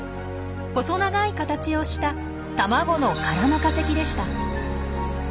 細長い形をした卵の殻の化石でした。